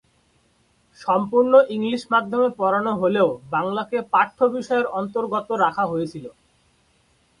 সম্পূর্ণ ইংলিশ মাধ্যমে পড়ানো হলেও বাংলাকে পাঠ্য বিষয়ের অন্তর্গত রাখা হয়েছিল।